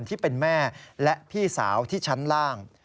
ที่เป็นแม่และพี่สาวที่ชั้นล่าง